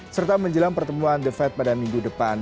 serta menjelang pertemuan the fed pada minggu depan